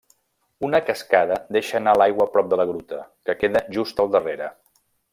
Una cascada deixa anar l'aigua prop de la gruta, que queda just al darrere.